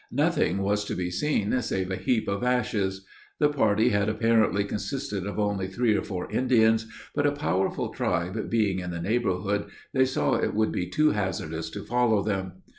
Nothing was to be seen save a heap of ashes. The party had apparently consisted of only three or four Indians; but a powerful tribe being in the neighborhood, they saw it would be too hazardous to follow them.